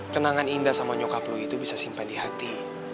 kenangan indah sama nyokaplu itu bisa simpan di hati